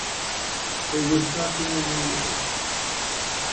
It was sucked in immediately.